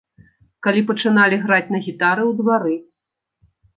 Калі пачыналі граць на гітары ў двары.